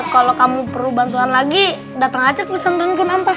kalau kamu perlu bantuan lagi dateng aja kesentuan kenapa